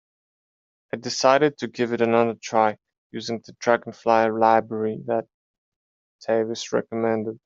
I decided to give it another try, using the Dragonfly library that Tavis recommended.